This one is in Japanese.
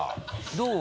どう？